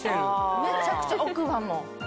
めちゃくちゃ奥歯も。